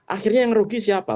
akhirnya yang rugi siapa